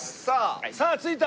さあ着いた！